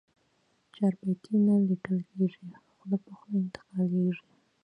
چاربیتې نه لیکل کېږي، خوله په خوله انتقالېږي.